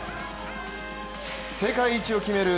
世界一を決める